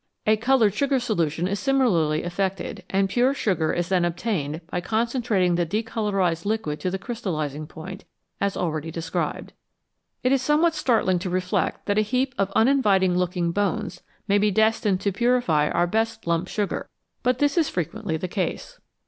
A coloured sugar solution is similarly affected, and pure sugar is then obtained by concen trating the decolorised liquid to the crystallising point, as already described. It is somewhat startling to reflect that a heap of uninviting looking bones may be destined 230 SUGAR AND STARCH to purify our best lump sugar, but this is frequently the case.